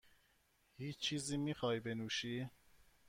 هیچ چیزی میخواهی بنوشی؟